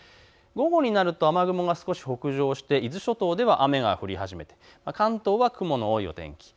午後になると雨雲が少し北上して伊豆諸島では雨が降り始めて関東は雲が多いお天気。